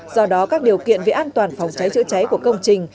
do đó các điều kiện về an toàn phòng cháy chữa cháy của công trình